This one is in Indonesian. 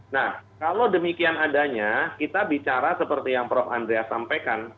nah kalau demikian adanya kita bicara seperti yang prof andreas sampaikan